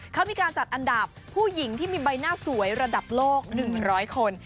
เขามีการจัดอันดับผู้หญิงที่มีใบหน้าสวยระดับโลก๑๐๐คน